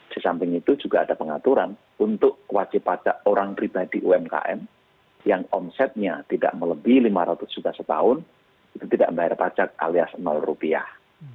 di samping itu juga ada pengaturan untuk wajib pajak orang pribadi umkm yang omsetnya tidak melebih lima ratus juta setahun itu tidak membayar pajak alias rupiah